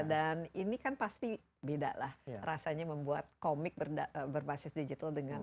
dan ini kan pasti beda lah rasanya membuat komik berbasis digital dengan